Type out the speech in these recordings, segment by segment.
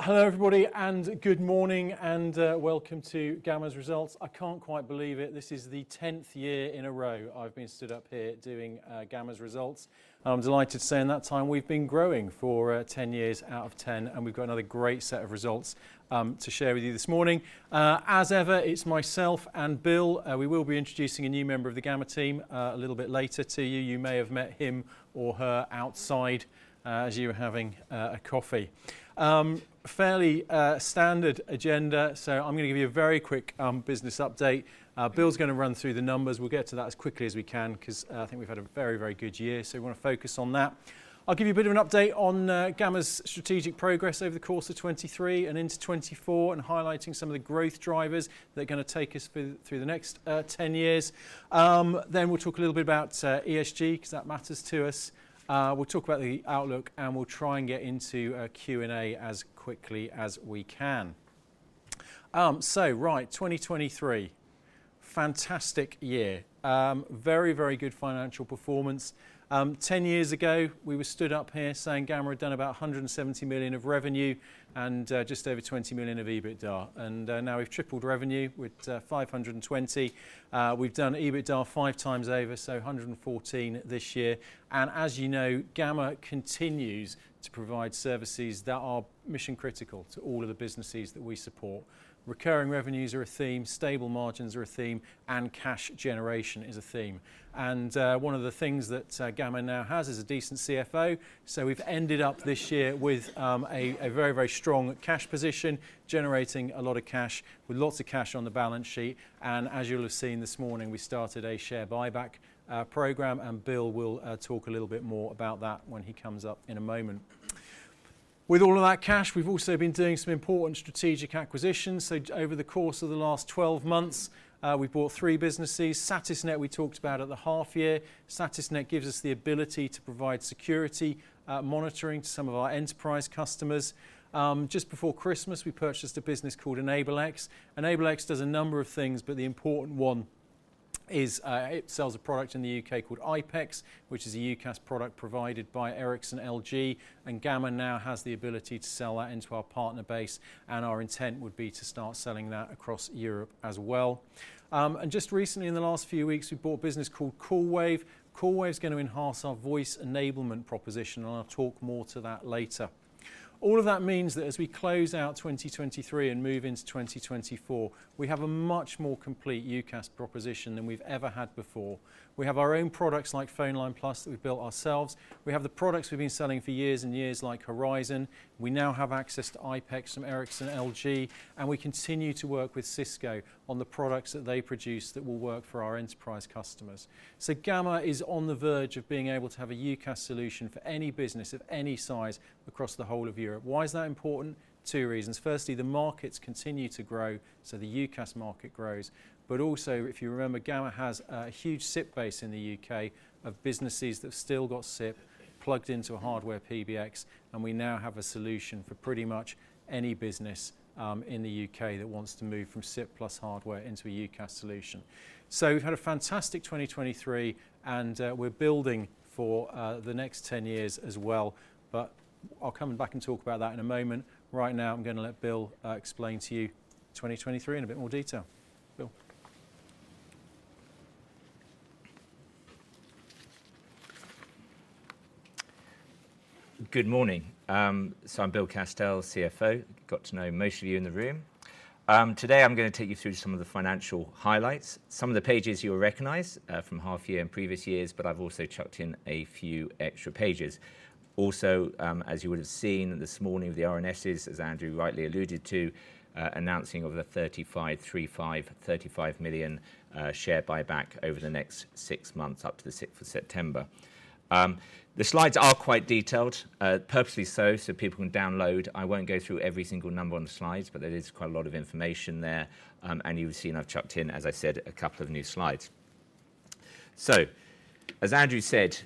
Well, hello everybody, and good morning, and welcome to Gamma's Results. I can't quite believe it. This is the 10th year in a row I've been stood up here doing Gamma's Results, and I'm delighted to say in that time we've been growing for 10 years out of 10, and we've got another great set of results to share with you this morning. As ever, it's myself and Bill. We will be introducing a new member of the Gamma team a little bit later to you. You may have met him or her outside as you were having a coffee. Fairly standard agenda, so I'm going to give you a very quick business update. Bill's going to run through the numbers. We'll get to that as quickly as we can because I think we've had a very, very good year, so we want to focus on that. I'll give you a bit of an update on Gamma's strategic progress over the course of 2023 and into 2024, and highlighting some of the growth drivers that are going to take us through the next 10 years. Then we'll talk a little bit about ESG because that matters to us. We'll talk about the outlook, and we'll try and get into Q&A as quickly as we can. So, right, 2023. Fantastic year. Very, very good financial performance. 10 years ago, we were stood up here saying Gamma had done about 170 million of revenue and just over 20 million of EBITDA, and now we've tripled revenue with 520 million. We've done EBITDA five times over, so 114 million this year. And as you know, Gamma continues to provide services that are mission-critical to all of the businesses that we support. Recurring revenues are a theme, stable margins are a theme, and cash generation is a theme. And one of the things that Gamma now has is a decent CFO, so we've ended up this year with a very, very strong cash position, generating a lot of cash, with lots of cash on the balance sheet. And as you'll have seen this morning, we started a share buyback program, and Bill will talk a little bit more about that when he comes up in a moment. With all of that cash, we've also been doing some important strategic acquisitions. So over the course of the last 12 months, we bought three businesses. Satisnet, we talked about at the half-year. Satisnet gives us the ability to provide security monitoring to some of our enterprise customers. Just before Christmas, we purchased a business called EnableX. EnableX does a number of things, but the important one is it sells a product in the UK called iPECS, which is a UCaaS product provided by Ericsson-LG, and Gamma now has the ability to sell that into our partner base, and our intent would be to start selling that across Europe as well. Just recently, in the last few weeks, we bought a business called Coolwave. Coolwave's going to enhance our voice enablement proposition, and I'll talk more to that later. All of that means that as we close out 2023 and move into 2024, we have a much more complete UCaaS proposition than we've ever had before. We have our own products like PhoneLine+ that we've built ourselves. We have the products we've been selling for years and years like Horizon. We now have access to iPECS from Ericsson-LG, and we continue to work with Cisco on the products that they produce that will work for our enterprise customers. So Gamma is on the verge of being able to have a UCaaS solution for any business of any size across the whole of Europe. Why is that important? 2 reasons. Firstly, the markets continue to grow, so the UCaaS market grows. But also, if you remember, Gamma has a huge SIP base in the UK of businesses that have still got SIP plugged into a hardware PBX, and we now have a solution for pretty much any business in the UK that wants to move from SIP plus hardware into a UCaaS solution. So we've had a fantastic 2023, and we're building for the next 10 years as well, but I'll come back and talk about that in a moment. Right now, I'm going to let Bill explain to you 2023 in a bit more detail. Bill. Good morning. So I'm Bill Castell, CFO. Got to know most of you in the room. Today, I'm going to take you through some of the financial highlights, some of the pages you'll recognize from half-year and previous years, but I've also chucked in a few extra pages. Also, as you would have seen this morning with the RNS, as Andrew rightly alluded to, announcing over the 35 million share buyback over the next six months up to the 6th of September. The slides are quite detailed, purposely so, so people can download. I won't go through every single number on the slides, but there is quite a lot of information there, and you've seen I've chucked in, as I said, a couple of new slides. So as Andrew said,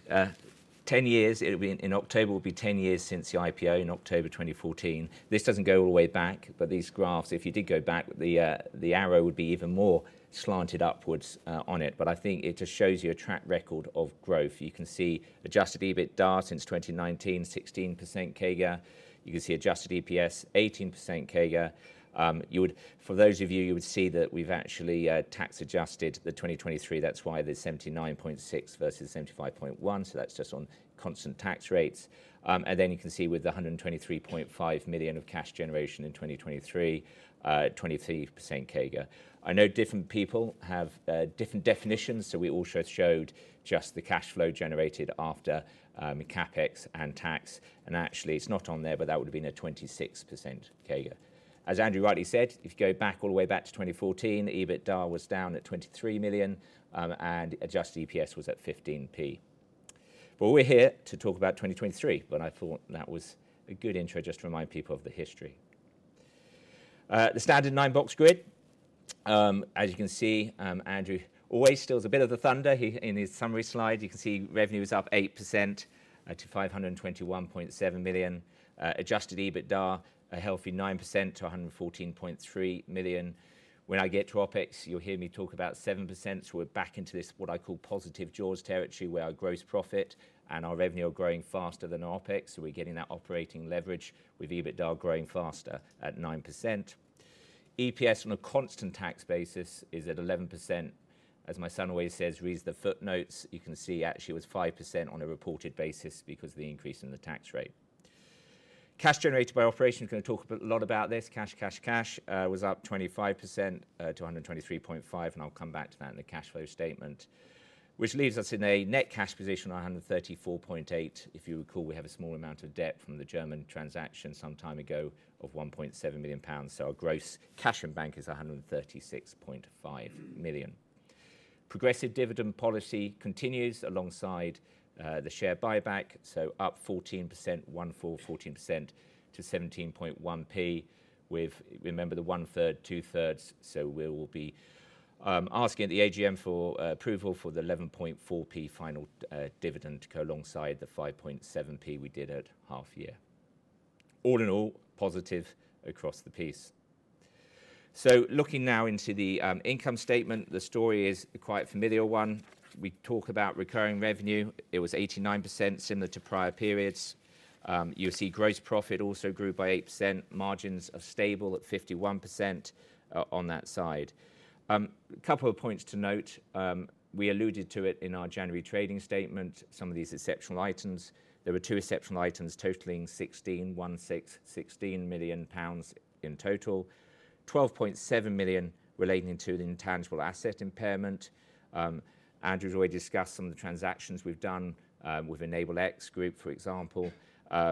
10 years, in October, it will be 10 years since the IPO in October 2014. This doesn't go all the way back, but these graphs, if you did go back, the arrow would be even more slanted upwards on it. But I think it just shows you a track record of growth. You can see adjusted EBITDA since 2019, 16% CAGR. You can see adjusted EPS, 18% CAGR. For those of you, you would see that we've actually tax-adjusted the 2023. That's why there's 79.6 versus 75.1, so that's just on constant tax rates. And then you can see with the 123.5 million of cash generation in 2023, 23% CAGR. I know different people have different definitions, so we also showed just the cash flow generated after CAPEX and tax, and actually, it's not on there, but that would have been a 26% CAGR. As Andrew rightly said, if you go back all the way back to 2014, EBITDA was down at 23 million, and adjusted EPS was at 15p. But we're here to talk about 2023, but I thought that was a good intro just to remind people of the history. The standard nine-box grid. As you can see, Andrew always steals a bit of the thunder in his summary slide. You can see revenue is up 8% to 521.7 million, Adjusted EBITDA a healthy 9% to 114.3 million. When I get to OPEX, you'll hear me talk about 7%, so we're back into this what I call positive jaws territory where our gross profit and our revenue are growing faster than OPEX, so we're getting that operating leverage with EBITDA growing faster at 9%. EPS on a constant tax basis is at 11%. As my son always says, read the footnotes. You can see actually it was 5% on a reported basis because of the increase in the tax rate. Cash generated by operations, we're going to talk a lot about this. Cash, cash, cash was up 25% to 123.5 million, and I'll come back to that in the cash flow statement, which leaves us in a net cash position of 134.8 million. If you recall, we have a small amount of debt from the German transaction some time ago of 1.7 million pounds, so our gross cash in bank is 136.5 million. Progressive dividend policy continues alongside the share buyback, so up 14%, 14% to 17.1p with, remember, the one-third, two-thirds, so we'll be asking at the AGM for approval for the 11.4p final dividend to go alongside the 5.7p we did at half-year. All in all, positive across the board. Looking now into the income statement, the story is a quite familiar one. We talk about recurring revenue. It was 89%, similar to prior periods. You'll see gross profit also grew by 8%. Margins are stable at 51% on that side. A couple of points to note. We alluded to it in our January trading statement, some of these exceptional items. There were two exceptional items totaling 16,16 16 million in total, 12.7 million relating to the intangible asset impairment. Andrew's already discussed some of the transactions we've done with EnableX Group, for example,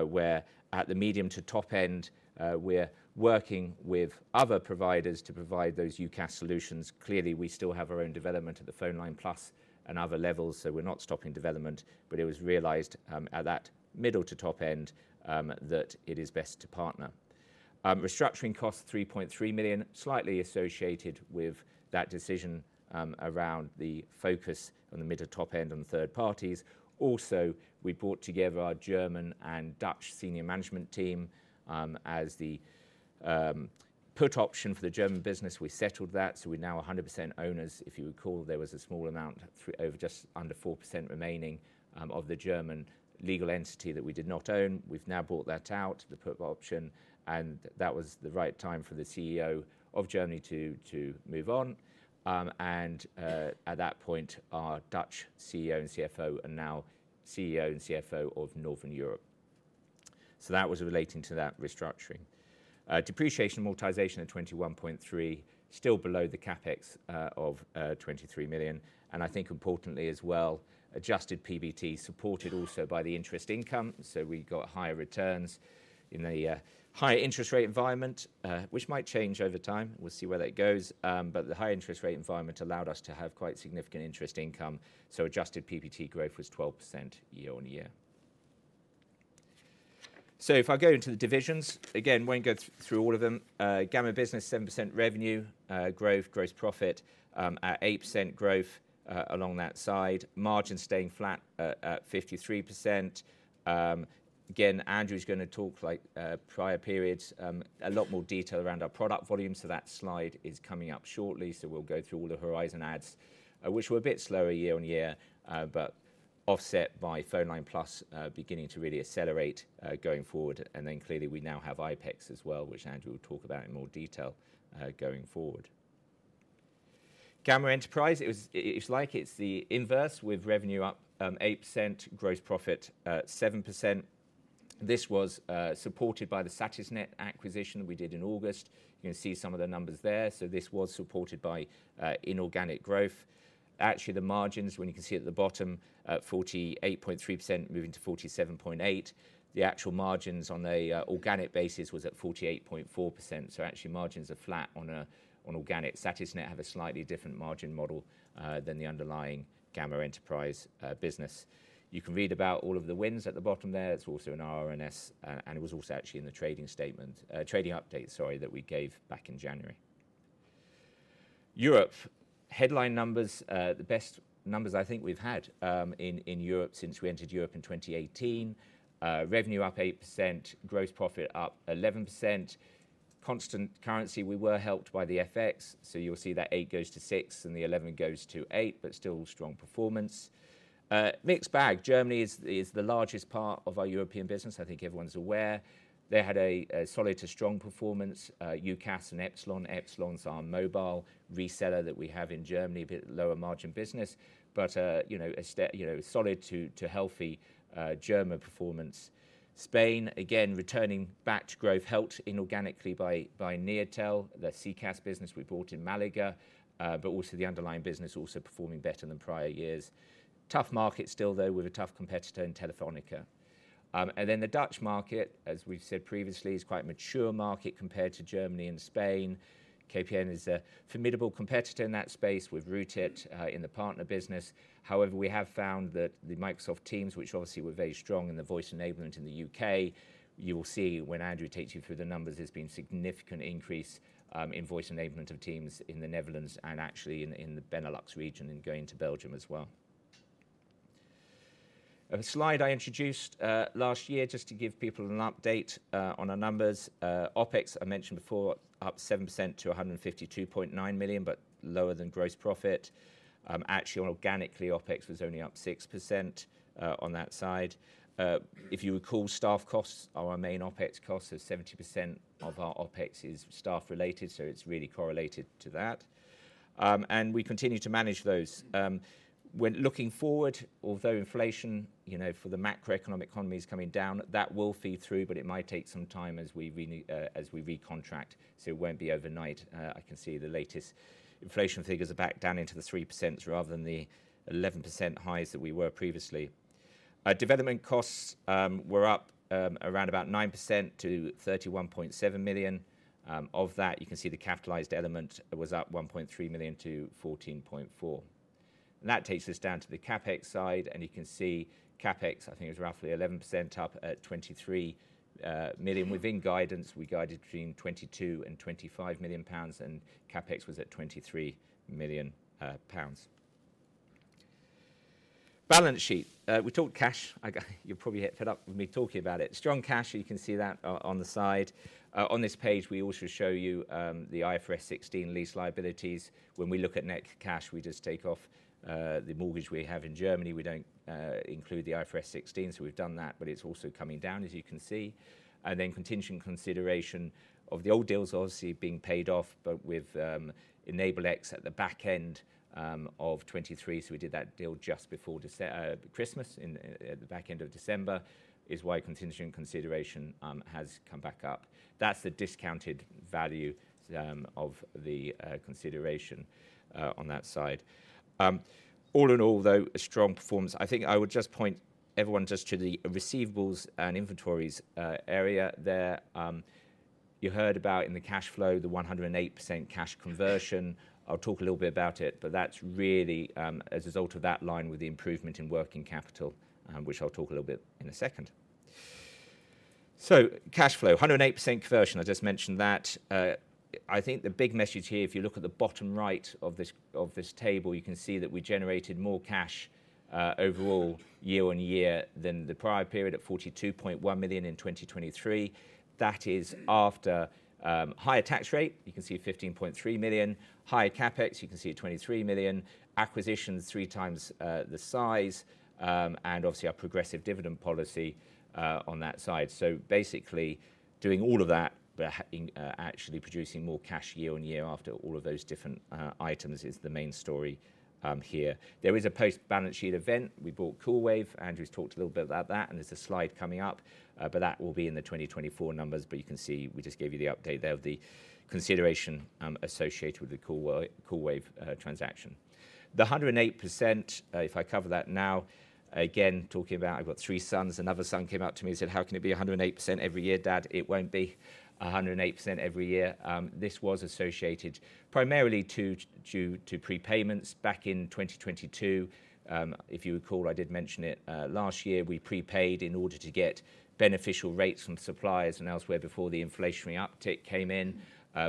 where at the medium to top end, we're working with other providers to provide those UCaaS solutions. Clearly, we still have our own development at the PhoneLine+ and other levels, so we're not stopping development, but it was realized at that middle to top end that it is best to partner. Restructuring costs, 3.3 million, slightly associated with that decision around the focus on the mid to top end on third parties. Also, we brought together our German and Dutch senior management team. As the put option for the German business, we settled that, so we're now 100% owners. If you recall, there was a small amount, just under 4% remaining, of the German legal entity that we did not own. We've now brought that out, the put option, and that was the right time for the CEO of Germany to move on. And at that point, our Dutch CEO and CFO are now CEO and CFO of Northern Europe. So that was relating to that restructuring. Depreciation amortization at 21.3 million, still below the CapEx of 23 million. I think importantly as well, Adjusted PBT supported also by the interest income, so we got higher returns in the higher interest rate environment, which might change over time. We'll see where that goes. But the higher interest rate environment allowed us to have quite significant interest income, so Adjusted PBT growth was 12% year-on-year. So if I go into the divisions, again, won't go through all of them. Gamma Business, 7% revenue growth, gross profit at 8% growth along that side. Margins staying flat at 53%. Again, Andrew's going to talk, like prior periods, a lot more detail around our product volume, so that slide is coming up shortly, so we'll go through all the Horizon adds, which were a bit slower year-on-year, but offset by PhoneLine+ beginning to really accelerate going forward. And then clearly, we now have iPECS as well, which Andrew will talk about in more detail going forward. Gamma Enterprise, it's like it's the inverse with revenue up 8%, gross profit 7%. This was supported by the Satisnet acquisition we did in August. You can see some of the numbers there, so this was supported by inorganic growth. Actually, the margins, when you can see at the bottom, 48.3% moving to 47.8%. The actual margins on the organic basis was at 48.4%, so actually, margins are flat on organic. Satisnet have a slightly different margin model than the underlying Gamma Enterprise business. You can read about all of the wins at the bottom there. It's also in our RNS, and it was also actually in the trading statement, trading update, sorry, that we gave back in January. Europe. Headline numbers, the best numbers I think we've had in Europe since we entered Europe in 2018. Revenue up 8%, gross profit up 11%. Constant currency, we were helped by the FX, so you'll see that eight goes to six and the 11 goes to eight, but still strong performance. Mixed bag. Germany is the largest part of our European business, I think everyone's aware. They had a solid to strong performance, UCaaS and Epsilon. Epsilon's our mobile reseller that we have in Germany, a bit lower margin business, but solid to healthy German performance. Spain, again, returning back to growth, helped inorganically by NeoTel, the CCaaS business we bought in Malaga, but also the underlying business also performing better than prior years. Tough market still, though, with a tough competitor in Telefónica. The Dutch market, as we've said previously, is quite a mature market compared to Germany and Spain. KPN is a formidable competitor in that space. We've rooted in the partner business. However, we have found that the Microsoft Teams, which obviously were very strong in the voice enablement in the UK, you will see when Andrew takes you through the numbers, there's been a significant increase in voice enablement of Teams in the Netherlands and actually in the Benelux region and going to Belgium as well. A slide I introduced last year just to give people an update on our numbers. OpEx, I mentioned before, up 7% to 152.9 million, but lower than gross profit. Actually, organically, OpEx was only up 6% on that side. If you recall, staff costs are our main OpEx costs, so 70% of our OpEx is staff-related, so it's really correlated to that. We continue to manage those. Looking forward, although inflation, for the macroeconomic economy is coming down, that will feed through, but it might take some time as we recontract, so it won't be overnight. I can see the latest inflation figures are back down into the 3% rather than the 11% highs that we were previously. Development costs were up around about 9% to 31.7 million. Of that, you can see the capitalized element was up 1.3 million to 14.4 million. That takes us down to the CapEx side, and you can see CapEx, I think it was roughly 11% up at 23 million. Within guidance, we guided between 22 million and 25 million pounds, and CapEx was at 23 million pounds. Balance sheet. We talked cash. You're probably fed up with me talking about it. Strong cash, you can see that on the side. On this page, we also show you the IFRS 16 lease liabilities. When we look at net cash, we just take off the mortgage we have in Germany. We don't include the IFRS 16, so we've done that, but it's also coming down, as you can see. And then contingent consideration of the old deals obviously being paid off, but with EnableX at the back end of 2023, so we did that deal just before Christmas, at the back end of December, is why contingent consideration has come back up. That's the discounted value of the consideration on that side. All in all, though, a strong performance. I think I would just point everyone just to the receivables and inventories area there. You heard about in the cash flow, the 108% cash conversion. I'll talk a little bit about it, but that's really as a result of that line with the improvement in working capital, which I'll talk a little bit in a second. So cash flow, 108% conversion, I just mentioned that. I think the big message here, if you look at the bottom right of this table, you can see that we generated more cash overall year-on-year than the prior period at 42.1 million in 2023. That is after higher tax rate. You can see 15.3 million. Higher CapEx, you can see at 23 million. Acquisitions, three times the size, and obviously our progressive dividend policy on that side. So basically, doing all of that, but actually producing more cash year-on-year after all of those different items is the main story here. There is a post-balance sheet event. We bought Coolwave. Andrew's talked a little bit about that, and there's a slide coming up, but that will be in the 2024 numbers. But you can see we just gave you the update there of the consideration associated with the Coolwave transaction. The 108%, if I cover that now, again, talking about I've got three sons. Another son came up to me and said, "How can it be 108% every year, Dad?" It won't be 108% every year. This was associated primarily due to prepayments back in 2022. If you recall, I did mention it last year, we prepaid in order to get beneficial rates from suppliers and elsewhere before the inflationary uptick came in.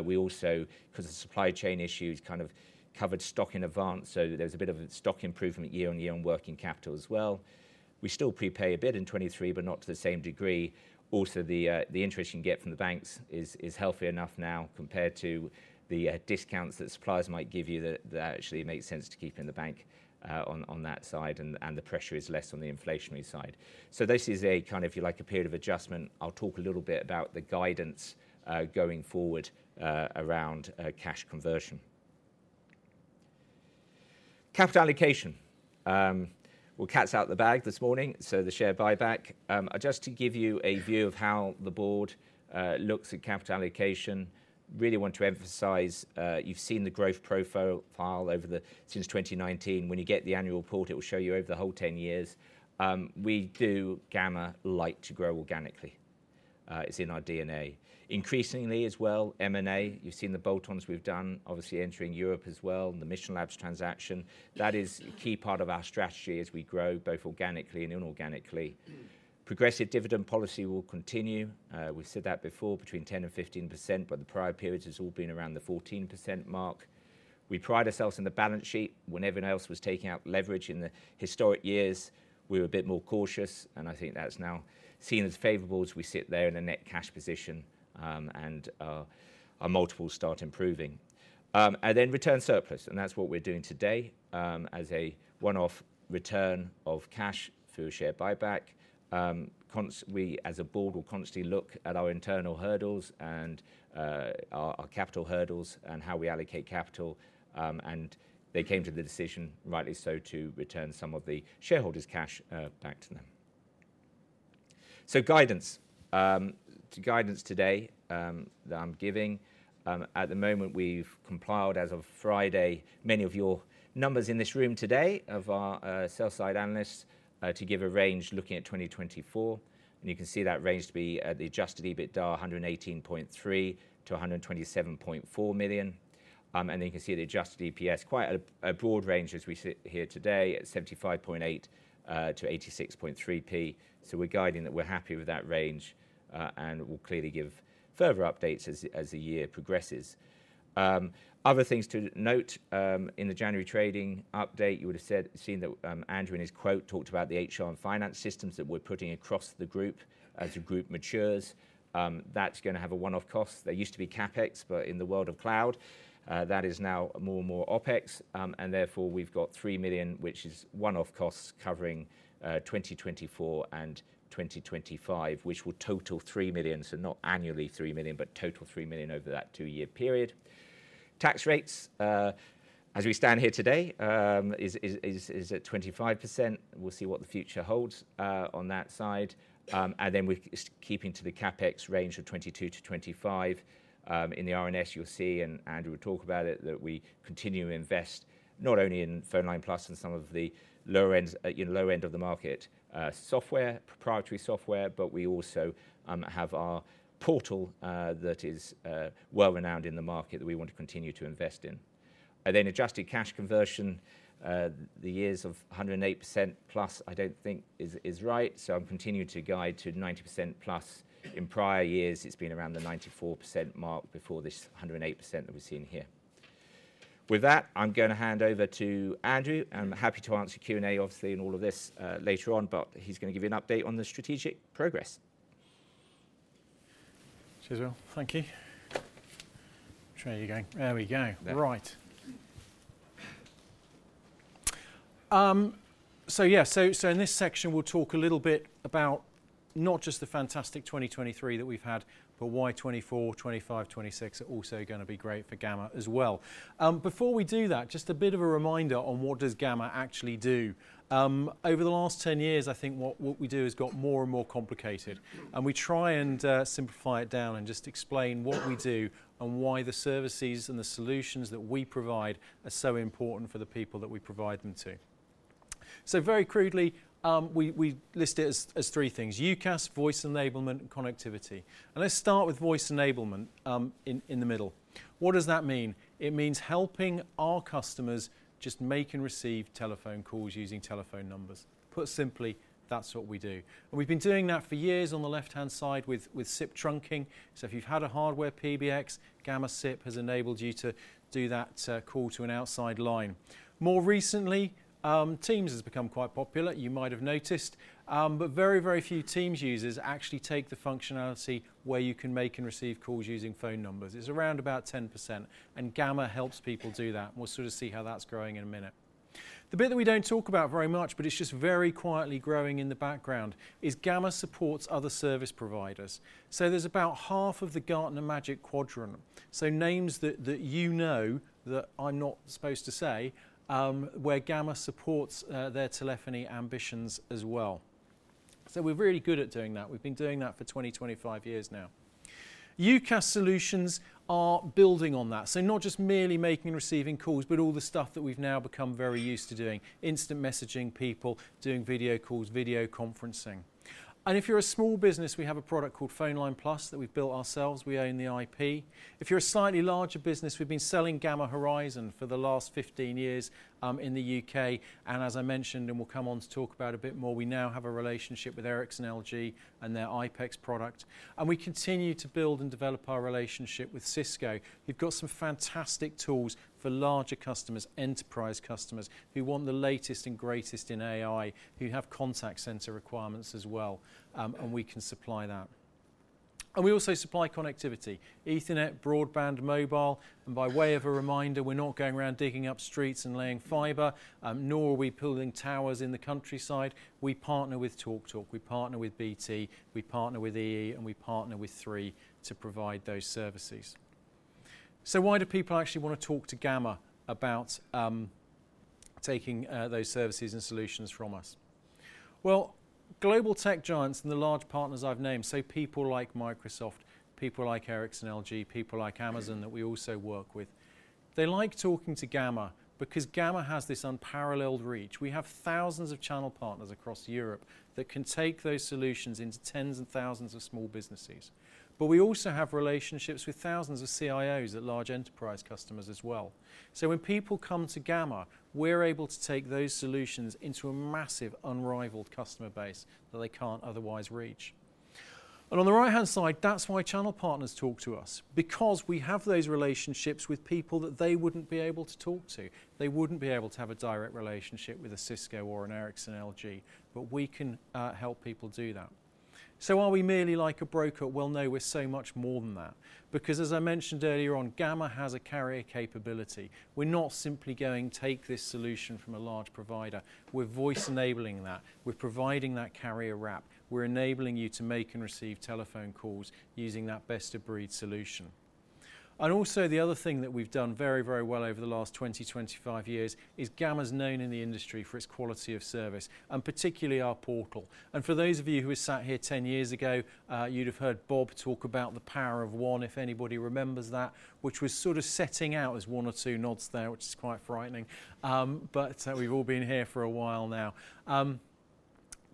We also, because of supply chain issues, kind of covered stock in advance, so there was a bit of a stock improvement year on year on working capital as well. We still prepay a bit in 2023, but not to the same degree. Also, the interest you can get from the banks is healthy enough now compared to the discounts that suppliers might give you that actually make sense to keep in the bank on that side, and the pressure is less on the inflationary side. So this is a kind of, if you like, a period of adjustment. I'll talk a little bit about the guidance going forward around cash conversion. Capital allocation. We've let the cat out of the bag this morning, so the share buyback. Just to give you a view of how the board looks at capital allocation, really want to emphasize you've seen the growth profile over the years since 2019. When you get the annual report, it will show you over the whole 10 years. We do Gamma like to grow organically. It's in our DNA. Increasingly as well, M&A. You've seen the bolt-ons we've done, obviously entering Europe as well, the Mission Labs transaction. That is a key part of our strategy as we grow both organically and inorganically. Progressive dividend policy will continue. We've said that before, between 10%-15%, but the prior period has all been around the 14% mark. We pride ourselves in the balance sheet. When everyone else was taking out leverage in the historic years, we were a bit more cautious, and I think that's now seen as favorable as we sit there in a net cash position and our multiples start improving. And then return surplus, and that's what we're doing today as a one-off return of cash through a share buyback. We, as a board, will constantly look at our internal hurdles and our capital hurdles and how we allocate capital, and they came to the decision, rightly so, to return some of the shareholders' cash back to them. So guidance. Guidance today that I'm giving. At the moment, we've compiled, as of Friday, many of your numbers in this room today of our sell-side analysts to give a range looking at 2024. And you can see that range to be the Adjusted EBITDA 118.3 million-127.4 million. And then you can see the Adjusted EPS, quite a broad range as we sit here today at 75.8p-86.3p. So we're guiding that we're happy with that range, and we'll clearly give further updates as the year progresses. Other things to note in the January trading update, you would have seen that Andrew and his quote, talked about the HR and finance systems that we're putting across the group as the group matures. That's going to have a one-off cost. There used to be CapEx, but in the world of cloud, that is now more and more OpEx. And therefore, we've got 3 million, which is one-off costs covering 2024 and 2025, which will total 3 million, so not annually 3 million, but total 3 million over that two-year period. Tax rates, as we stand here today, is at 25%. We'll see what the future holds on that side. And then we're keeping to the CapEx range of 2022-2025. In the RNS, you'll see, and Andrew will talk about it, that we continue to invest not only in PhoneLine+ and some of the lower end of the market software, proprietary software, but we also have our portal that is well-renowned in the market that we want to continue to invest in. And then Adjusted Cash Conversion, the years of 108%+, I don't think is right, so I'm continuing to guide to 90%+. In prior years, it's been around the 94% mark before this 108% that we've seen here. With that, I'm going to hand over to Andrew, and I'm happy to answer Q&A, obviously, and all of this later on, but he's going to give you an update on the strategic progress. Cheers well. Thank you. Which way are you going? There we go. Right. So yeah, so in this section, we'll talk a little bit about not just the fantastic 2023 that we've had, but why 2024, 2025, 2026 are also going to be great for Gamma as well. Before we do that, just a bit of a reminder on what does Gamma actually do. Over the last 10 years, I think what we do has got more and more complicated, and we try and simplify it down and just explain what we do and why the services and the solutions that we provide are so important for the people that we provide them to. So very crudely, we list it as three things: UCaaS, voice enablement, and connectivity. And let's start with voice enablement in the middle. What does that mean? It means helping our customers just make and receive telephone calls using telephone numbers. Put simply, that's what we do. And we've been doing that for years on the left-hand side with SIP trunking. So if you've had a hardware PBX, Gamma SIP has enabled you to do that call to an outside line. More recently, Teams has become quite popular, you might have noticed, but very, very few Teams users actually take the functionality where you can make and receive calls using phone numbers. It's around about 10%, and Gamma helps people do that. We'll sort of see how that's growing in a minute. The bit that we don't talk about very much, but it's just very quietly growing in the background, is Gamma supports other service providers. So there's about half of the Gartner Magic Quadrant, so names that you know that I'm not supposed to say, where Gamma supports their telephony ambitions as well. So we're really good at doing that. We've been doing that for 20-25 years now. UCaaS solutions are building on that, so not just merely making and receiving calls, but all the stuff that we've now become very used to doing: instant messaging people, doing video calls, video conferencing. And if you're a small business, we have a product called PhoneLine+ that we've built ourselves. We own the IP. If you're a slightly larger business, we've been selling Gamma Horizon for the last 15 years in the U.K., and as I mentioned, and we'll come on to talk about a bit more, we now have a relationship with Ericsson-LG and their iPECS product, and we continue to build and develop our relationship with Cisco. You've got some fantastic tools for larger customers, enterprise customers who want the latest and greatest in AI, who have contact center requirements as well, and we can supply that. We also supply connectivity: Ethernet, broadband, mobile. By way of a reminder, we're not going around digging up streets and laying fiber, nor are we building towers in the countryside. We partner with TalkTalk. We partner with BT. We partner with EE, and we partner with Three to provide those services. Why do people actually want to talk to Gamma about taking those services and solutions from us? Well, global tech giants and the large partners I've named, so people like Microsoft, people like Ericsson LG, people like Amazon that we also work with, they like talking to Gamma because Gamma has this unparalleled reach. We have thousands of channel partners across Europe that can take those solutions into tens and thousands of small businesses. But we also have relationships with thousands of CIOs at large enterprise customers as well. So when people come to Gamma, we're able to take those solutions into a massive unrivaled customer base that they can't otherwise reach. On the right-hand side, that's why channel partners talk to us, because we have those relationships with people that they wouldn't be able to talk to. They wouldn't be able to have a direct relationship with a Cisco or an Ericsson LG, but we can help people do that. So are we merely like a broker? Well, no, we're so much more than that. Because as I mentioned earlier on, Gamma has a carrier capability. We're not simply going take this solution from a large provider. We're voice-enabling that. We're providing that carrier wrap. We're enabling you to make and receive telephone calls using that best-of-breed solution. Also, the other thing that we've done very, very well over the last 20, 25 years is Gamma's known in the industry for its quality of service, and particularly our portal. For those of you who have sat here 10 years ago, you'd have heard Bob talk about the power of One, if anybody remembers that, which was sort of setting out as one or two nods there, which is quite frightening, but we've all been here for a while now.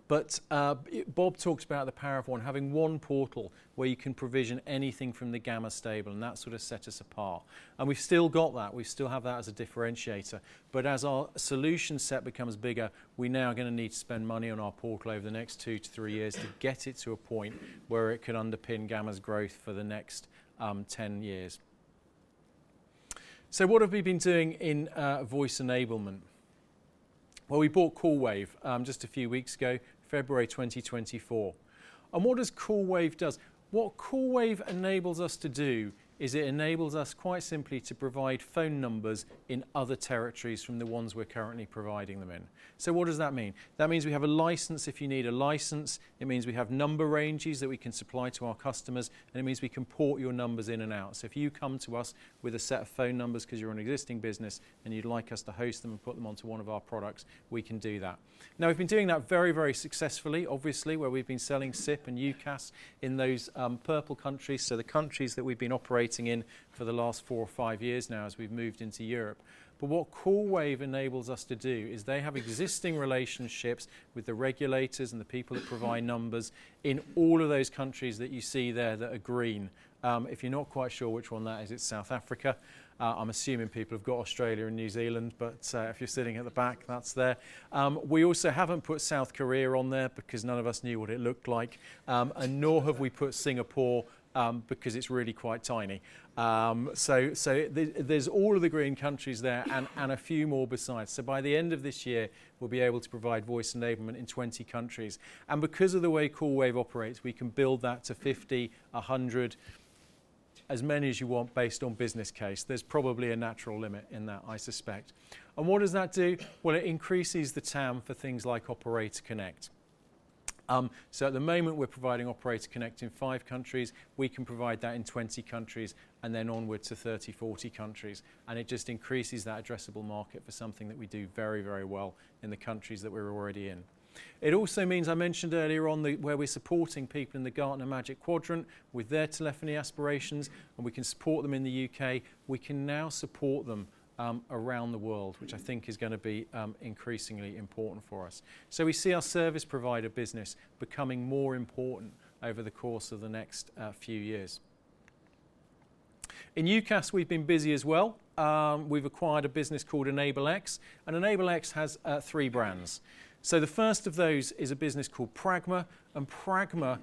But Bob talked about the power of One, having one portal where you can provision anything from the Gamma stable, and that sort of set us apart. We've still got that. We still have that as a differentiator. But as our solution set becomes bigger, we now are going to need to spend money on our portal over the next two-three years to get it to a point where it can underpin Gamma's growth for the next 10 years. So what have we been doing in voice enablement? Well, we bought Coolwave just a few weeks ago, February 2024. And what does Coolwave do? What Coolwave enables us to do is it enables us, quite simply, to provide phone numbers in other territories from the ones we're currently providing them in. So what does that mean? That means we have a license. If you need a license, it means we have number ranges that we can supply to our customers, and it means we can port your numbers in and out. So if you come to us with a set of phone numbers because you're an existing business and you'd like us to host them and put them onto one of our products, we can do that. Now, we've been doing that very, very successfully, obviously, where we've been selling SIP and UCaaS in those purple countries, so the countries that we've been operating in for the last four or five years now as we've moved into Europe. But what Coolwave enables us to do is they have existing relationships with the regulators and the people that provide numbers in all of those countries that you see there that are green. If you're not quite sure which one that is, it's South Africa. I'm assuming people have got Australia and New Zealand, but if you're sitting at the back, that's there. We also haven't put South Korea on there because none of us knew what it looked like, and nor have we put Singapore because it's really quite tiny. So there's all of the green countries there and a few more besides. So by the end of this year, we'll be able to provide voice enablement in 20 countries. And because of the way Coolwave operates, we can build that to 50, 100, as many as you want based on business case. There's probably a natural limit in that, I suspect. And what does that do? Well, it increases the TAM for things like Operator Connect. So at the moment, we're providing Operator Connect in 5 countries. We can provide that in 20 countries and then onward to 30, 40 countries. It just increases that addressable market for something that we do very, very well in the countries that we're already in. It also means, I mentioned earlier on, where we're supporting people in the Gartner Magic Quadrant with their telephony aspirations, and we can support them in the UK. We can now support them around the world, which I think is going to be increasingly important for us. So we see our service provider business becoming more important over the course of the next few years. In UCaaS, we've been busy as well. We've acquired a business called EnableX, and EnableX has three brands. So the first of those is a business called Pragma, and Pragma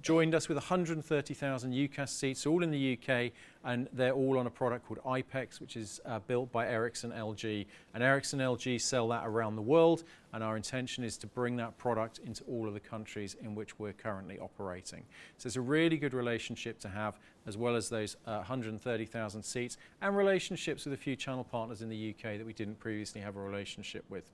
joined us with 130,000 UCaaS seats, all in the UK, and they're all on a product called iPECS, which is built by Ericsson-LG. Ericsson-LG sell that around the world, and our intention is to bring that product into all of the countries in which we're currently operating. So it's a really good relationship to have, as well as those 130,000 seats, and relationships with a few channel partners in the U.K that we didn't previously have a relationship with.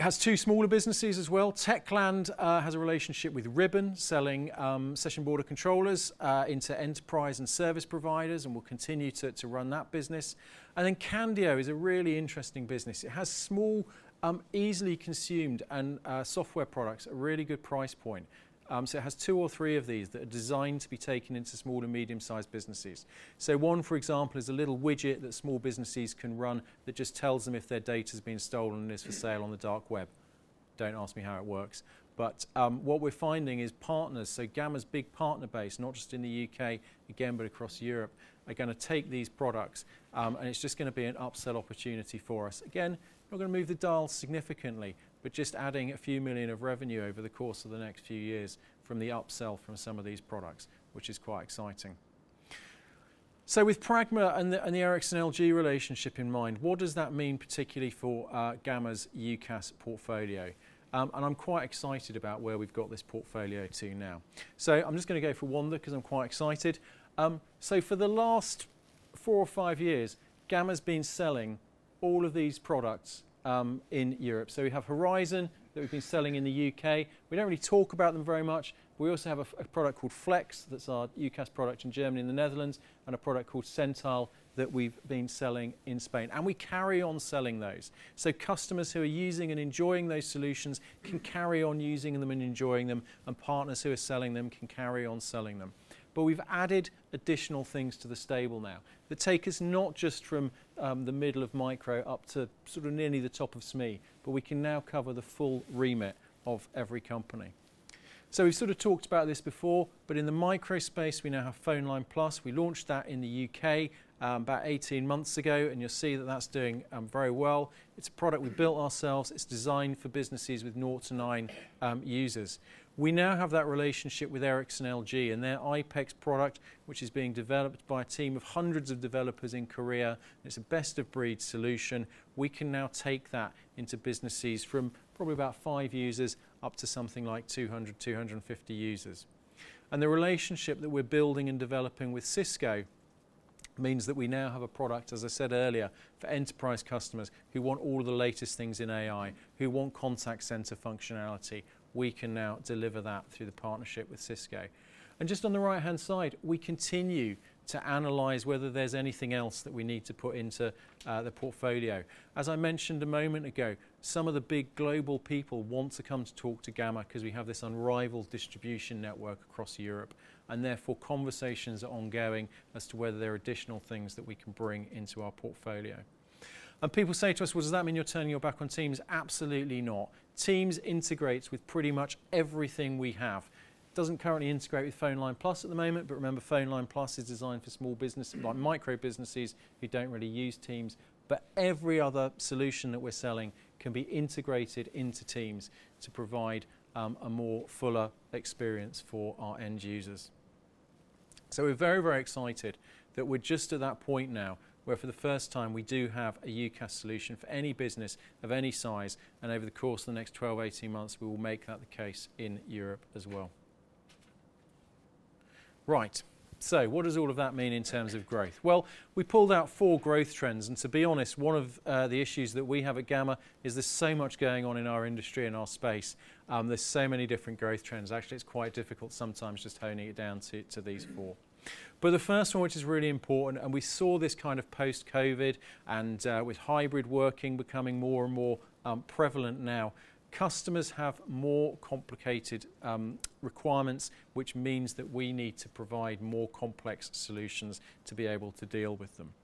It has two smaller businesses as well. Techland has a relationship with Ribbon, selling session border controllers into enterprise and service providers, and will continue to run that business. And then Candio is a really interesting business. It has small, easily consumed software products at a really good price point. So it has two or three of these that are designed to be taken into small and medium-sized businesses. So one, for example, is a little widget that small businesses can run that just tells them if their data's been stolen and is for sale on the dark web. Don't ask me how it works. But what we're finding is partners, so Gamma's big partner base, not just in the U.K., again, but across Europe, are going to take these products, and it's just going to be an upsell opportunity for us. Again, not going to move the dial significantly, but just adding a few million GBP of revenue over the course of the next few years from the upsell from some of these products, which is quite exciting. So with Pragma and the Ericsson LG relationship in mind, what does that mean, particularly for Gamma's UCaaS portfolio? And I'm quite excited about where we've got this portfolio to now. So I'm just going to go for one because I'm quite excited. So for the last four or five years, Gamma's been selling all of these products in Europe. So we have Horizon that we've been selling in the U.K. We don't really talk about them very much. We also have a product called Flex that's our UCaaS product in Germany and the Netherlands, and a product called Centile that we've been selling in Spain. And we carry on selling those. So customers who are using and enjoying those solutions can carry on using them and enjoying them, and partners who are selling them can carry on selling them. But we've added additional things to the stable now that take us not just from the middle of micro up to sort of nearly the top of SME, but we can now cover the full remit of every company. So we've sort of talked about this before, but in the micro space, we now have PhoneLine+. We launched that in the U.K about 18 months ago, and you'll see that that's doing very well. It's a product we built ourselves. It's designed for businesses with zero to nine users. We now have that relationship with Ericsson-LG and their iPECS product, which is being developed by a team of hundreds of developers in Korea. It's a best-of-breed solution. We can now take that into businesses from probably about five users up to something like 200-250 users. And the relationship that we're building and developing with Cisco means that we now have a product, as I said earlier, for enterprise customers who want all of the latest things in AI, who want contact center functionality. We can now deliver that through the partnership with Cisco. Just on the right-hand side, we continue to analyze whether there's anything else that we need to put into the portfolio. As I mentioned a moment ago, some of the big global people want to come to talk to Gamma because we have this unrivaled distribution network across Europe, and therefore conversations are ongoing as to whether there are additional things that we can bring into our portfolio. People say to us, "Well, does that mean you're turning your back on Teams?" Absolutely not. Teams integrates with pretty much everything we have. It doesn't currently integrate with PhoneLine+ at the moment, but remember, PhoneLine+ is designed for small businesses, like micro businesses, who don't really use Teams. But every other solution that we're selling can be integrated into Teams to provide a more fuller experience for our end users. So we're very, very excited that we're just at that point now where, for the first time, we do have a UCaaS solution for any business of any size, and over the course of the next 12-18 months, we will make that the case in Europe as well. Right. So what does all of that mean in terms of growth? Well, we pulled out four growth trends, and to be honest, one of the issues that we have at Gamma is there's so much going on in our industry and our space. There's so many different growth trends. Actually, it's quite difficult sometimes just honing it down to these four. But the first one, which is really important, and we saw this kind of post-COVID and with hybrid working becoming more and more prevalent now, customers have more complicated requirements, which means that we need to provide more complex solutions to be able to deal with them.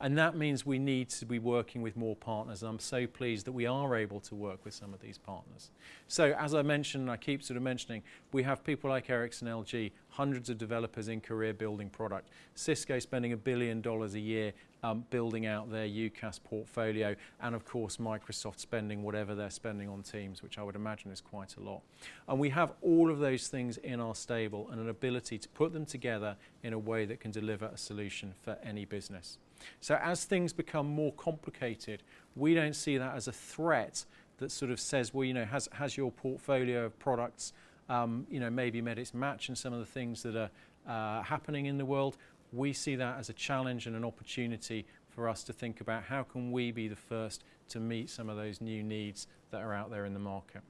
And that means we need to be working with more partners, and I'm so pleased that we are able to work with some of these partners. So as I mentioned, and I keep sort of mentioning, we have people like Ericsson-LG, hundreds of developers in Korea building product, Cisco spending $1 billion a year building out their UCaaS portfolio, and of course, Microsoft spending whatever they're spending on Teams, which I would imagine is quite a lot. And we have all of those things in our stable and an ability to put them together in a way that can deliver a solution for any business. So as things become more complicated, we don't see that as a threat that sort of says, "Well, has your portfolio of products maybe met its match in some of the things that are happening in the world?" We see that as a challenge and an opportunity for us to think about how can we be the first to meet some of those new needs that are out there in the market.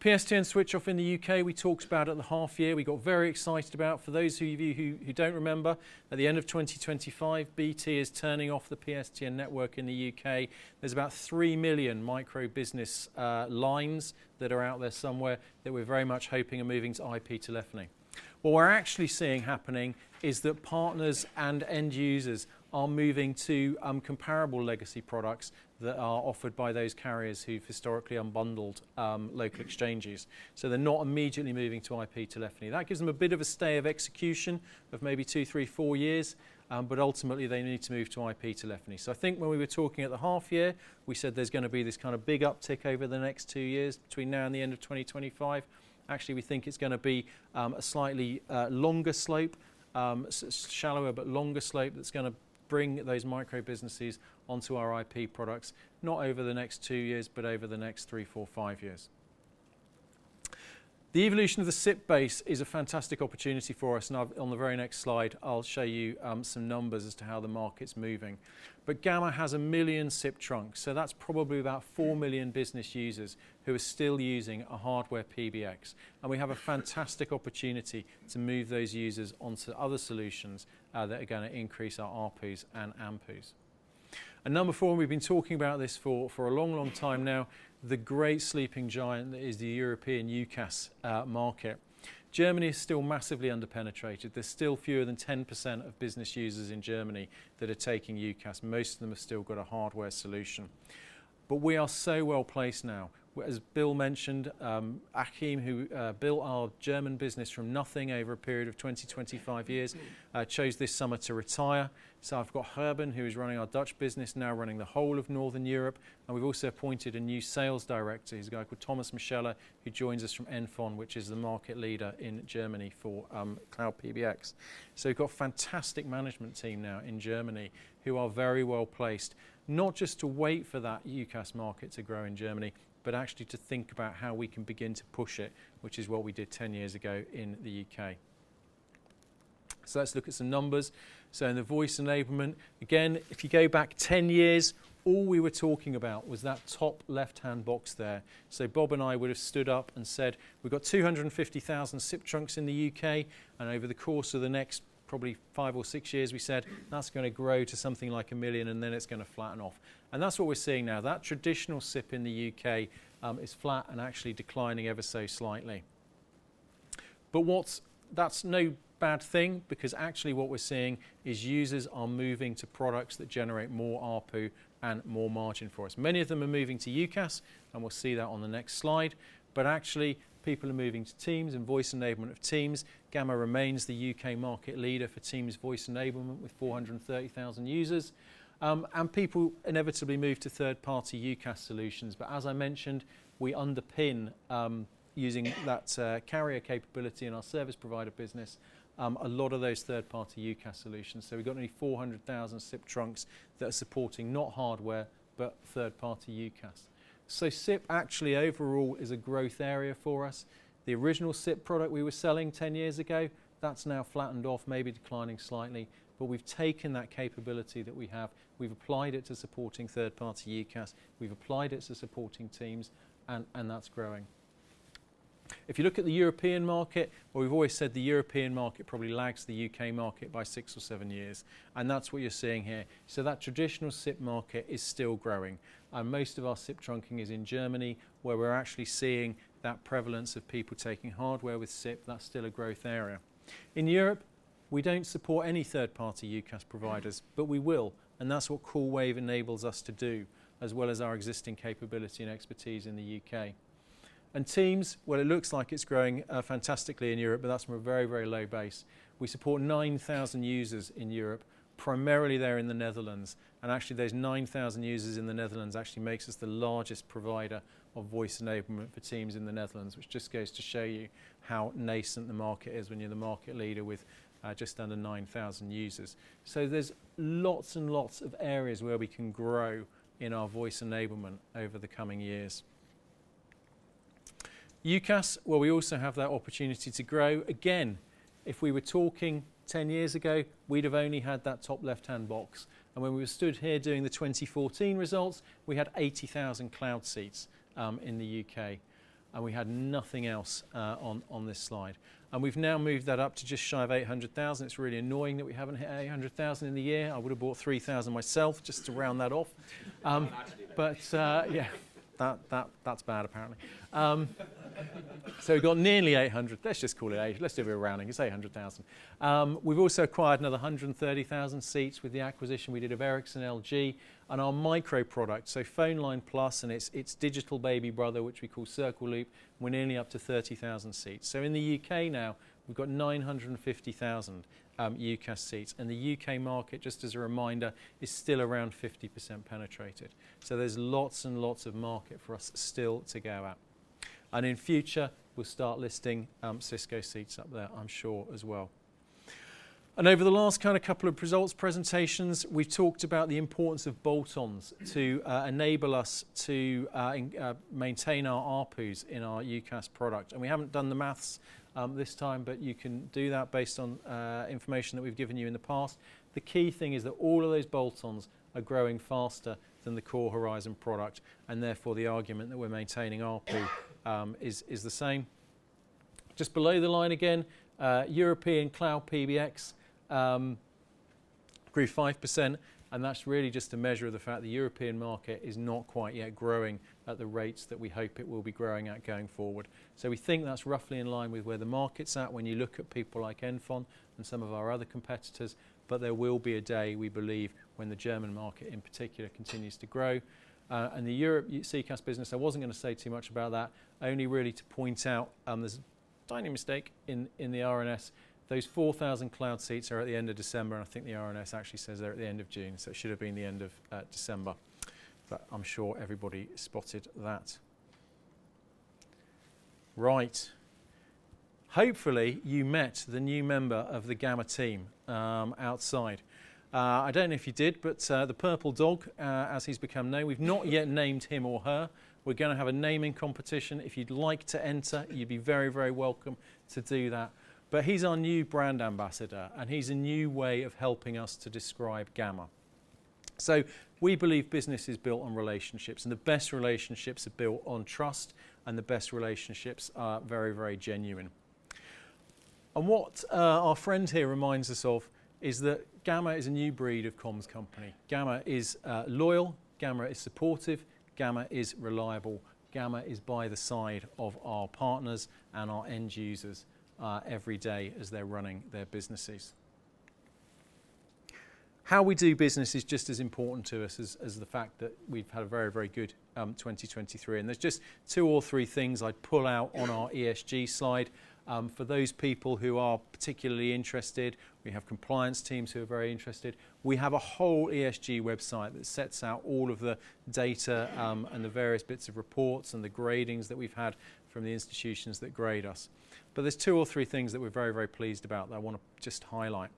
PSTN switch-off in the U.K., we talked about at the half-year. We got very excited about, for those of you who don't remember, at the end of 2025, BT is turning off the PSTN network in the U.K. There's about 3 million micro business lines that are out there somewhere that we're very much hoping are moving to IP telephony. What we're actually seeing happening is that partners and end users are moving to comparable legacy products that are offered by those carriers who've historically unbundled local exchanges. So they're not immediately moving to IP telephony. That gives them a bit of a stay of execution of maybe two, three, four years, but ultimately, they need to move to IP telephony. So I think when we were talking at the half-year, we said there's going to be this kind of big uptick over the next two years between now and the end of 2025. Actually, we think it's going to be a slightly longer slope, shallower but longer slope that's going to bring those micro businesses onto our IP products, not over the next two years, but over the next three, four, five years. The evolution of the SIP base is a fantastic opportunity for us, and on the very next slide, I'll show you some numbers as to how the market's moving. But Gamma has 1 million SIP trunks, so that's probably about 4 million business users who are still using a hardware PBX. And we have a fantastic opportunity to move those users onto other solutions that are going to increase our RPs and AMPs. And number four, and we've been talking about this for a long, long time now, the great sleeping giant is the European UCaaS market. Germany is still massively underpenetrated. There's still fewer than 10% of business users in Germany that are taking UCaaS. Most of them have still got a hardware solution. But we are so well placed now. As Bill mentioned, Achim, who built our German business from nothing over a period of 20-25 years, chose this summer to retire. So I've got Gerben, who is running our Dutch business, now running the whole of northern Europe. And we've also appointed a new sales director. He's a guy called Thomas Muschalla, who joins us from NFON which is the market leader in Germany for cloud PBX. So we've got a fantastic management team now in Germany who are very well placed, not just to wait for that UCaaS market to grow in Germany, but actually to think about how we can begin to push it, which is what we did 10 years ago in the UK. So let's look at some numbers. So in the voice enablement, again, if you go back 10 years, all we were talking about was that top left-hand box there. So Bob and I would have stood up and said, "We've got 250,000 SIP trunks in the U.K.," and over the course of the next probably five or six years, we said, "That's going to grow to something like 1 million, and then it's going to flatten off." And that's what we're seeing now. That traditional SIP in the U.K. is flat and actually declining ever so slightly. But that's no bad thing because actually what we're seeing is users are moving to products that generate more RP and more margin for us. Many of them are moving to UCaaS, and we'll see that on the next slide. But actually, people are moving to Teams and voice enablement of Teams. Gamma remains the U.K. market leader for Teams voice enablement with 430,000 users. People inevitably move to third-party UCaaS solutions. As I mentioned, we underpin using that carrier capability in our service provider business, a lot of those third-party UCaaS solutions. We've got only 400,000 SIP trunks that are supporting not hardware, but third-party UCaaS. SIP actually, overall, is a growth area for us. The original SIP product we were selling 10 years ago, that's now flattened off, maybe declining slightly. We've taken that capability that we have. We've applied it to supporting third-party UCaaS. We've applied it to supporting Teams, and that's growing. If you look at the European market, well, we've always said the European market probably lags the U.K. market by 6 or 7 years, and that's what you're seeing here. That traditional SIP market is still growing. Most of our SIP trunking is in Germany, where we're actually seeing that prevalence of people taking hardware with SIP. That's still a growth area. In Europe, we don't support any third-party UCaaS providers, but we will, and that's what Coolwave enables us to do, as well as our existing capability and expertise in the U.K. Teams, well, it looks like it's growing fantastically in Europe, but that's from a very, very low base. We support 9,000 users in Europe, primarily there in the Netherlands. Actually, those 9,000 users in the Netherlands actually make us the largest provider of voice enablement for Teams in the Netherlands, which just goes to show you how nascent the market is when you're the market leader with just under 9,000 users. So there's lots and lots of areas where we can grow in our voice enablement over the coming years. UCaaS, well, we also have that opportunity to grow. Again, if we were talking 10 years ago, we'd have only had that top left-hand box. And when we stood here doing the 2014 results, we had 80,000 cloud seats in the UK, and we had nothing else on this slide. And we've now moved that up to just shy of 800,000. It's really annoying that we haven't hit 800,000 in the year. I would have bought 3,000 myself just to round that off. But yeah, that's bad, apparently. So we've got nearly 800. Let's just call it 800. Let's do a bit of rounding. It's 800,000. We've also acquired another 130,000 seats with the acquisition we did of Ericsson-LG and our micro product, so PhoneLine+ and its digital baby brother, which we call CircleLoop, and we're nearly up to 30,000 seats. So in the UK now, we've got 950,000 UCaaS seats. And the UK market, just as a reminder, is still around 50% penetrated. So there's lots and lots of market for us still to go at. And in future, we'll start listing Cisco seats up there, I'm sure, as well. And over the last kind of couple of results presentations, we've talked about the importance of bolt-ons to enable us to maintain our RPs in our UCaaS product. And we haven't done the math this time, but you can do that based on information that we've given you in the past. The key thing is that all of those bolt-ons are growing faster than the core Horizon product, and therefore the argument that we're maintaining RP is the same. Just below the line again, European cloud PBX grew 5%, and that's really just a measure of the fact the European market is not quite yet growing at the rates that we hope it will be growing at going forward. So we think that's roughly in line with where the market's at when you look at people like NFON and some of our other competitors. But there will be a day, we believe, when the German market in particular continues to grow. And the Europe CCaaS business, I wasn't going to say too much about that, only really to point out there's a tiny mistake in the RNS. Those 4,000 cloud seats are at the end of December, and I think the RNS actually says they're at the end of June. So it should have been the end of December, but I'm sure everybody spotted that. Right. Hopefully, you met the new member of the Gamma team outside. I don't know if you did, but the purple dog, as he's become known, we've not yet named him or her. We're going to have a naming competition. If you'd like to enter, you'd be very, very welcome to do that. But he's our new brand ambassador, and he's a new way of helping us to describe Gamma. So we believe business is built on relationships, and the best relationships are built on trust, and the best relationships are very, very genuine. And what our friend here reminds us of is that Gamma is a new breed of comms company. Gamma is loyal. Gamma is supportive. Gamma is reliable. Gamma is by the side of our partners and our end users every day as they're running their businesses. How we do business is just as important to us as the fact that we've had a very, very good 2023. There's just two or three things I'd pull out on our ESG slide. For those people who are particularly interested, we have compliance teams who are very interested. We have a whole ESG website that sets out all of the data and the various bits of reports and the gradings that we've had from the institutions that grade us. There's two or three things that we're very, very pleased about that I want to just highlight.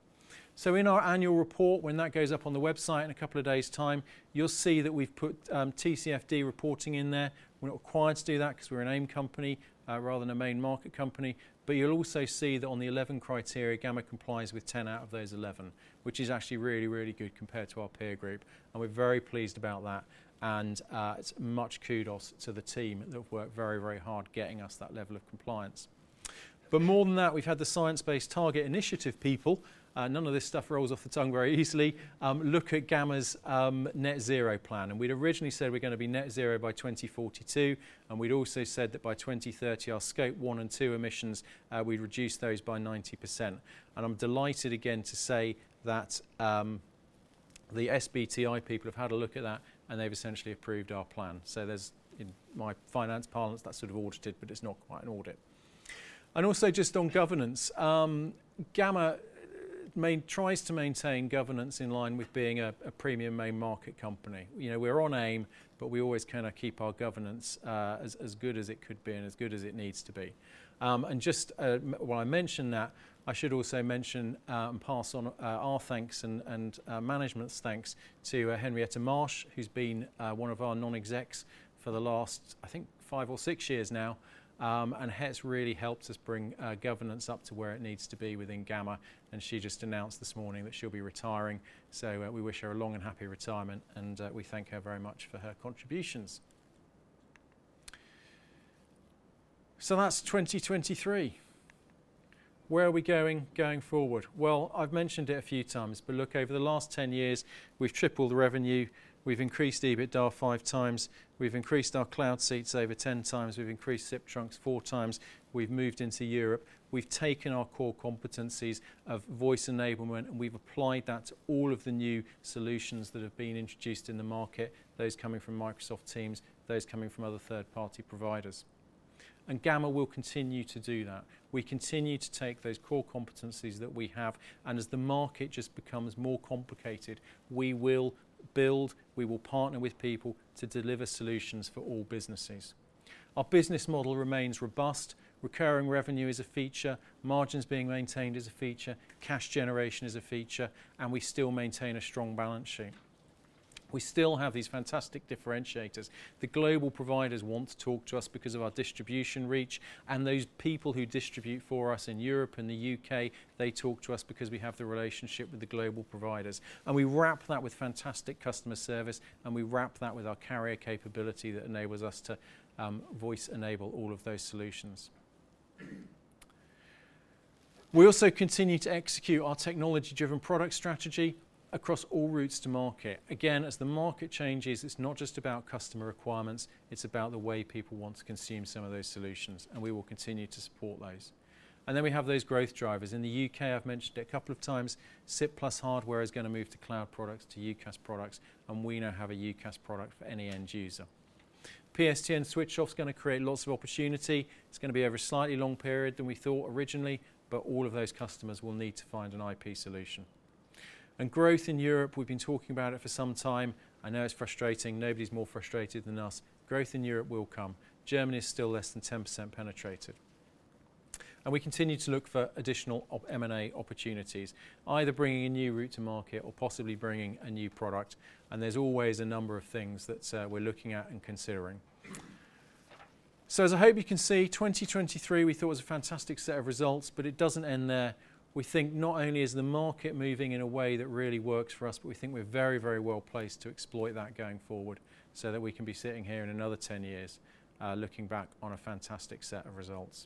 In our annual report, when that goes up on the website in a couple of days' time, you'll see that we've put TCFD reporting in there. We're not required to do that because we're an AIM company rather than a Main Market company. But you'll also see that on the 11 criteria, Gamma complies with 10 out of those 11, which is actually really, really good compared to our peer group. We're very pleased about that. It's much kudos to the team that have worked very, very hard getting us that level of compliance. But more than that, we've had the Science Based Targets initiative people. None of this stuff rolls off the tongue very easily. Look at Gamma's net zero plan. We'd originally said we're going to be net zero by 2042. We'd also said that by 2030, our Scope 1 and 2 emissions, we'd reduce those by 90%. I'm delighted again to say that the SBTi people have had a look at that, and they've essentially approved our plan. In my finance parlance, that's sort of audited, but it's not quite an audit. And also just on governance, Gamma tries to maintain governance in line with being a premium main market company. We're on AIM, but we always kind of keep our governance as good as it could be and as good as it needs to be. And just while I mention that, I should also mention and pass on our thanks and management's thanks to Henrietta Marsh, who's been one of our non-execs for the last, I think, five or six years now, and has really helped us bring governance up to where it needs to be within Gamma. And she just announced this morning that she'll be retiring. So we wish her a long and happy retirement, and we thank her very much for her contributions. So that's 2023. Where are we going forward? Well, I've mentioned it a few times, but look, over the last 10 years, we've tripled the revenue. We've increased EBITDA five times. We've increased our cloud seats over 10 times. We've increased SIP trunks four times. We've moved into Europe. We've taken our core competencies of voice enablement, and we've applied that to all of the new solutions that have been introduced in the market, those coming from Microsoft Teams, those coming from other third-party providers. And Gamma will continue to do that. We continue to take those core competencies that we have. And as the market just becomes more complicated, we will build. We will partner with people to deliver solutions for all businesses. Our business model remains robust. Recurring revenue is a feature. Margins being maintained is a feature. Cash generation is a feature. And we still maintain a strong balance sheet. We still have these fantastic differentiators. The global providers want to talk to us because of our distribution reach. And those people who distribute for us in Europe and the U.K, they talk to us because we have the relationship with the global providers. And we wrap that with fantastic customer service, and we wrap that with our carrier capability that enables us to voice enable all of those solutions. We also continue to execute our technology-driven product strategy across all routes to market. Again, as the market changes, it's not just about customer requirements. It's about the way people want to consume some of those solutions, and we will continue to support those. And then we have those growth drivers. In the U.K, I've mentioned it a couple of times. SIP plus hardware is going to move to cloud products, to UCaaS products, and we now have a UCaaS product for any end user. PSTN switch-off's going to create lots of opportunity. It's going to be over a slightly long period than we thought originally, but all of those customers will need to find an IP solution. Growth in Europe, we've been talking about it for some time. I know it's frustrating. Nobody's more frustrated than us. Growth in Europe will come. Germany is still less than 10% penetrated. We continue to look for additional M&A opportunities, either bringing a new route to market or possibly bringing a new product. There's always a number of things that we're looking at and considering. So as I hope you can see, 2023, we thought was a fantastic set of results, but it doesn't end there. We think not only is the market moving in a way that really works for us, but we think we're very, very well placed to exploit that going forward so that we can be sitting here in another 10 years looking back on a fantastic set of results.